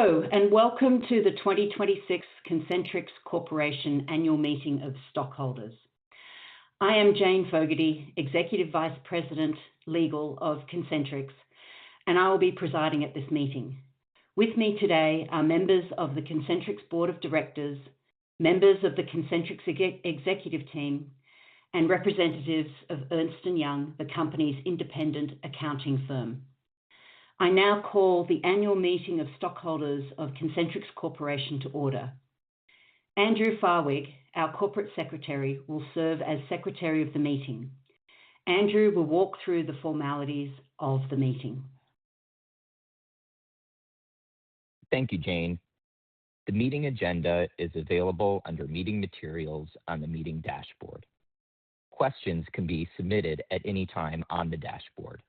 Hello and welcome to the 2026 Concentrix Corporation Annual Meeting of Stockholders. I am Jane Fogarty, Executive Vice President, Legal of Concentrix, and I will be presiding at this meeting. With me today are members of the Concentrix Board of Directors, members of the Concentrix Executive Team, and representatives of Ernst & Young, the company's independent accounting firm. I now call the annual meeting of stockholders of Concentrix Corporation to order. Andrew Farwig, our corporate secretary, will serve as secretary of the meeting. Andrew will walk through the formalities of the meeting. Thank you, Jane. The meeting agenda is available under Meeting Materials on the meeting dashboard. Questions can be submitted at any time on the dashboard.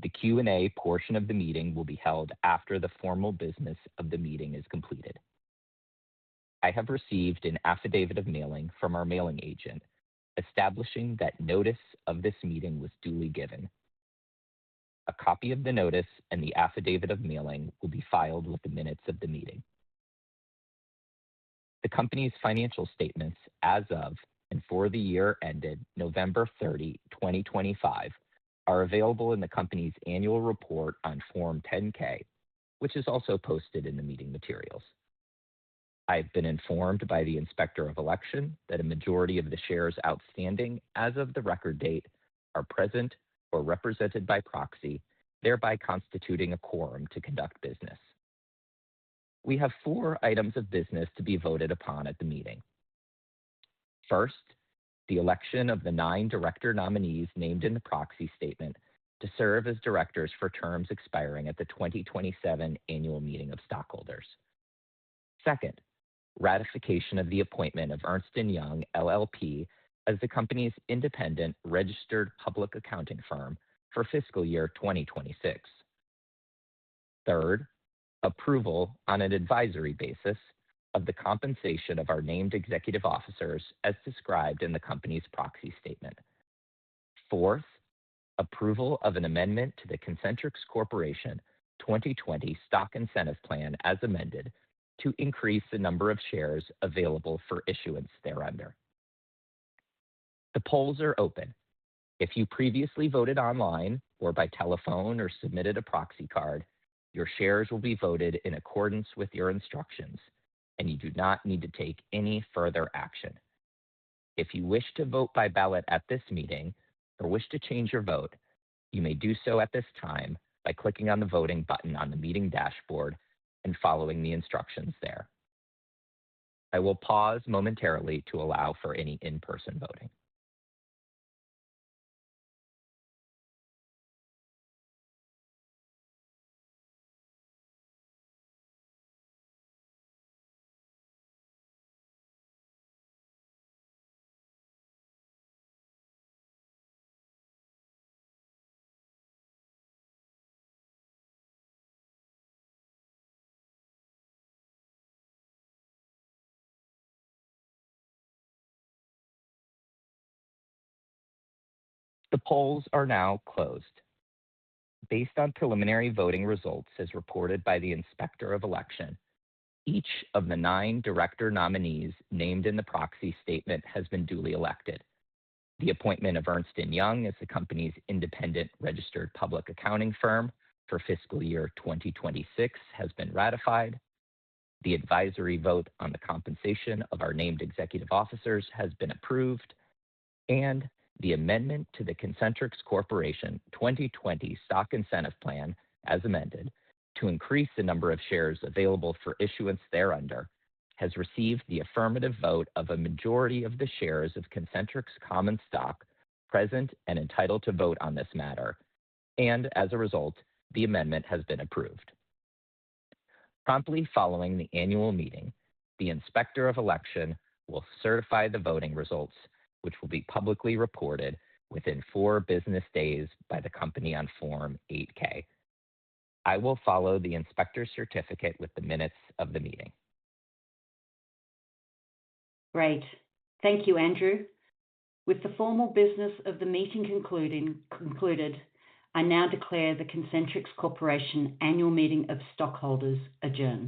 The Q&A portion of the meeting will be held after the formal business of the meeting is completed. I have received an affidavit of mailing from our mailing agent establishing that notice of this meeting was duly given. A copy of the notice and the affidavit of mailing will be filed with the minutes of the meeting. The company's financial statements as of and for the year ended November 30, 2025, are available in the company's annual report on Form 10-K, which is also posted in the meeting materials. I have been informed by the Inspector of Election that a majority of the shares outstanding as of the record date are present or represented by proxy, thereby constituting a quorum to conduct business. We have four items of business to be voted upon at the meeting. First, the election of the nine director nominees named in the proxy statement to serve as directors for terms expiring at the 2027 annual meeting of stockholders. Second, ratification of the appointment of Ernst & Young LLP as the company's independent registered public accounting firm for fiscal year 2026. Third, approval on an advisory basis of the compensation of our named executive officers as described in the company's proxy statement. Fourth, approval of an amendment to the Concentrix Corporation 2020 Stock Incentive Plan, as amended, to increase the number of shares available for issuance thereunder. The polls are open. If you previously voted online or by telephone or submitted a proxy card, your shares will be voted in accordance with your instructions and you do not need to take any further action. If you wish to vote by ballot at this meeting or wish to change your vote, you may do so at this time by clicking on the voting button on the meeting dashboard and following the instructions there. I will pause momentarily to allow for any in-person voting. The polls are now closed. Based on preliminary voting results as reported by the Inspector of Election, each of the 9 director nominees named in the proxy statement has been duly elected. The appointment of Ernst & Young as the company's independent registered public accounting firm for fiscal year 2026 has been ratified. The advisory vote on the compensation of our named executive officers has been approved. The amendment to the Concentrix Corporation 2020 Stock Incentive Plan, as amended, to increase the number of shares available for issuance thereunder, has received the affirmative vote of a majority of the shares of Concentrix common stock present and entitled to vote on this matter, and as a result, the amendment has been approved. Promptly following the annual meeting, the Inspector of Election will certify the voting results, which will be publicly reported within four business days by the company on Form 8-K. I will follow the inspector's certificate with the minutes of the meeting. Great. Thank you, Andrew. With the formal business of the meeting concluded, I now declare the Concentrix Corporation annual meeting of stockholders adjourned.